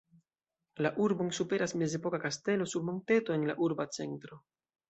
La urbon superas mezepoka kastelo sur monteto en la urba centro.